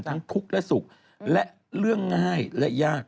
ทุกข์และสุขและเรื่องง่ายและยาก